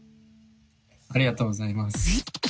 ありがとうございます。